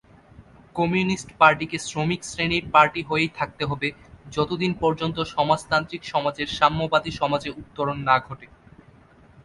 Communist পার্টিকে শ্রমিক শ্রেণির পার্টি হয়েই থাকতে হবে যতদিন পর্যন্ত সমাজতান্ত্রিক সমাজের সাম্যবাদী সমাজে উত্তরণ না ঘটে।